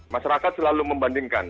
masyarakat selalu membandingkan